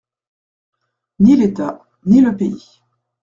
Ni l'État, ni le pays.